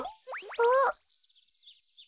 あっ。